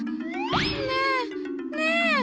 ねえねえ！